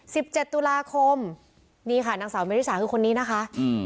สิบเจ็ดตุลาคมนี่ค่ะนางสาวเมริสาคือคนนี้นะคะอืม